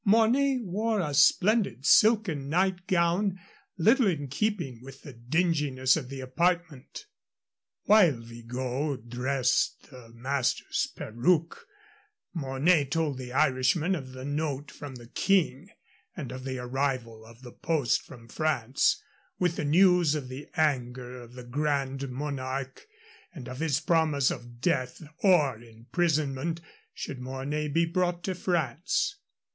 Mornay wore a splendid silken night gown, little in keeping with the dinginess of the apartment. While Vigot dressed his master's perruque, Mornay told the Irishman of the note from the King and of the arrival of the post from France, with the news of the anger of the Grand Monarque and of his promise of death or imprisonment should Mornay be brought to France.